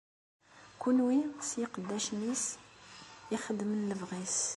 Kunwi s yiqeddacen-is, ixeddmen lebɣi-s!